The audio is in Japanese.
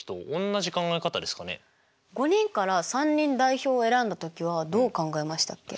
５人から３人代表選んだ時はどう考えましたっけ？